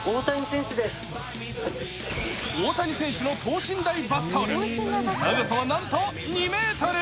大谷選手の等身大バスタオル長さはなんと２ｍ。